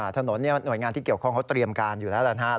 ถนนหน่วยงานที่เกี่ยวข้องเขาเตรียมการอยู่แล้วนะครับ